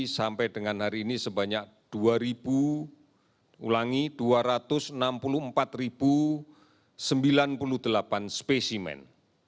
sampai dengan hari ini sebanyak dua enam puluh empat sembilan puluh delapan spesimen